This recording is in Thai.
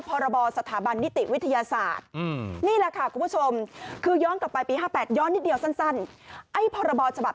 พรสถาบันนิติวิทยาศาสตร์